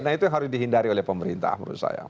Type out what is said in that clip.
nah itu yang harus dihindari oleh pemerintah menurut saya